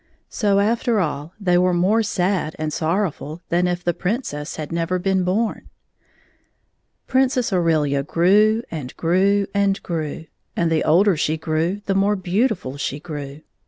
So y \ after all they were more sad and sorrowful than if the Princess had never been bom. Princess Aurelia grew and grew and grew, and the older she grew the more beautiftil she grew.